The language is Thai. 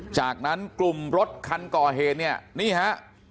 จากนั้นกลุ่มรถคันก่อเหตุเนี่ยนี่ฮะ